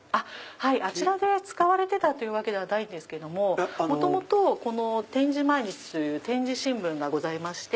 あちらで使われてたというわけではないんですけど元々この『点字毎日』という点字新聞がございまして。